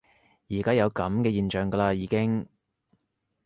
而家有噉嘅現象㗎啦已經